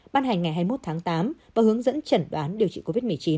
ban hành ngày hai mươi một tháng tám và hướng dẫn chẩn đoán điều trị covid một mươi chín